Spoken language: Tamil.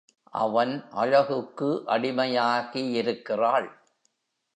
அவன் அழகுக்கு அடிமையாகியிருக் கிறாள்.